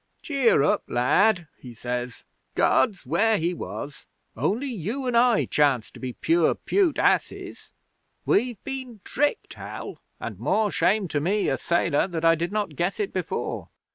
'"Cheer up, lad," he says. "God's where He was. Only you and I chance to be pure pute asses. We've been tricked, Hal, and more shame to me, a sailor, that I did not guess it before!